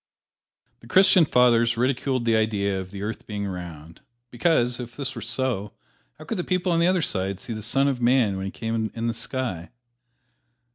The Christian Fathers ridiculed the idea of the earth being round, because, if this were so, how could the people on the other side see the Son of Man when He came in the sky?